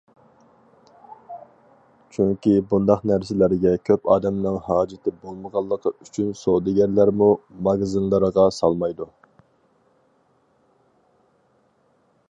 چۈنكى بۇنداق نەرسىلەرگە كۆپ ئادەمنىڭ ھاجىتى بولمىغانلىقى ئۈچۈن سودىگەرلەرمۇ ماگىزىنلىرىغا سالمايدۇ.